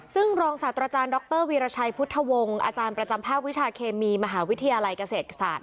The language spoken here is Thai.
ซึ่งรองศาสตราจารย์ดรวีรชัยพุทธวงศ์อาจารย์ประจำภาควิชาเคมีมหาวิทยาลัยเกษตรศาสต